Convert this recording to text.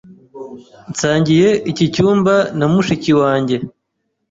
Nsangiye iki cyumba na mushiki wanjye.